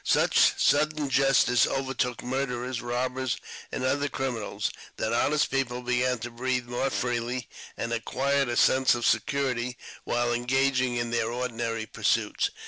Such sudden justice overtook murderers, robbers, and other criminals, that honest people began to breathe more freely, and acquired a sense of security while engaged in their ordinary pursuits.